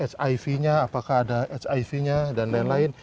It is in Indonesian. hivnya apakah ada hivnya dan lain lain